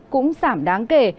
cũng giảm đáng kể